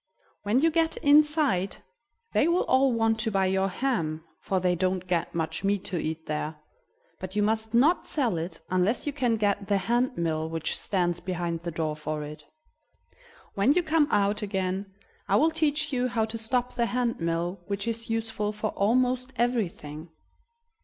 "When you get inside they will all want to buy your ham, for they don't get much meat to eat there; but you must not sell it unless you can get the hand mill which stands behind the door for it. When you come out again I will teach you how to stop the hand mill, which is useful for almost everything."